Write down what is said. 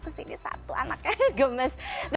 kesini satu anaknya gemes